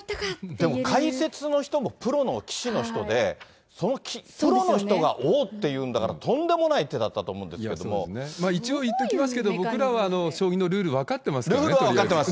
でも解説の人もプロの棋士の人で、そのプロの人がおーって言うんだから、とんでもない手だったと思一応言っときますけど、僕らは将棋のルール、ルールは分かってます。